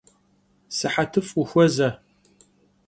Sıhetıf' vuxueze!